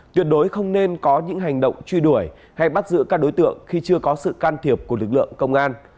tuyệt đối không nên có những hành động truy đuổi hay bắt giữ các đối tượng khi chưa có sự can thiệp của lực lượng công an